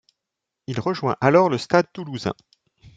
Il rejoint alors le Stade toulousain.